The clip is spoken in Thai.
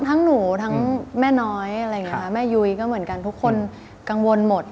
ทั้งหนูทั้งแม่น้อยแม่ยุยก็เหมือนกันทุกคนกังวลหมด